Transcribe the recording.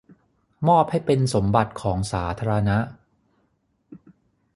มอบให้เป็นสมบัติของสาธารณะ